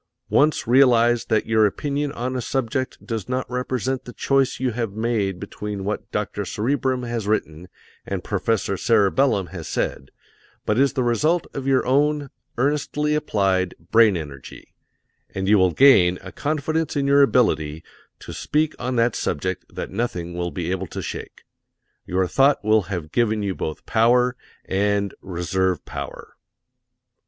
Once realize that your opinion on a subject does not represent the choice you have made between what Dr. Cerebrum has written and Professor Cerebellum has said, but is the result of your own earnestly applied brain energy, and you will gain a confidence in your ability to speak on that subject that nothing will be able to shake. Your thought will have given you both power and reserve power.